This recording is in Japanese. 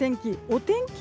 お天気